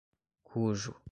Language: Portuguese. cujo